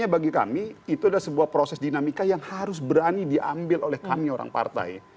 jadi bagi kami itu ada sebuah proses dinamika yang harus berani diambil oleh kami orang partai